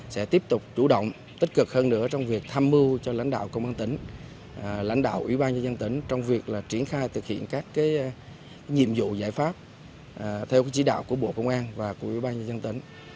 sẽ tiếp tục chủ động tích cực hơn nữa trong việc tham mưu cho lãnh đạo công an tỉnh lãnh đạo ủy ban nhân dân tỉnh trong việc triển khai thực hiện các nhiệm vụ giải pháp theo chỉ đạo của bộ công an và của ủy ban nhân dân tỉnh